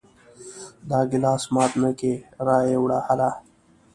دا ګلاس مات نه کې را یې وړه هله!